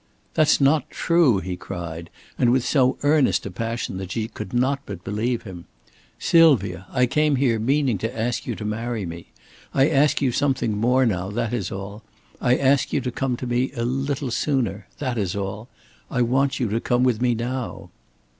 "That's not true," he cried, and with so earnest a passion that she could not but believe him. "Sylvia, I came here meaning to ask you to marry me. I ask you something more now, that is all. I ask you to come to me a little sooner that is all. I want you to come with me now."